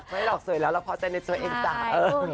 ไม่หรอกสวยแล้วเราพอใจในตัวเองจ้า